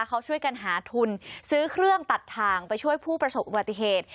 เขาช่วยกันหาทุนซื้อเครื่องตัดทางไปช่วยผู้ประสบอุบัติเหตุ